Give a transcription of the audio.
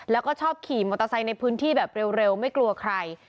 แล้วก็ชอบขี่มอเตอร์ไซค์ในพื้นที่แบบเร็วไม่กลัวใคร